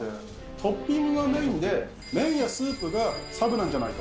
トッピングがメインで、麺やスープがサブなんじゃないか。